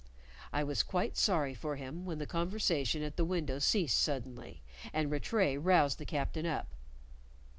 I was quite sorry for him when the conversation at the window ceased suddenly, and Rattray roused the captain up.